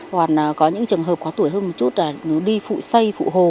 còn có những trường hợp có tuổi hơn một chút là đi phụ xây phụ hồ